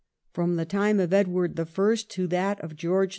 From the time of Edward I. to that of George IV.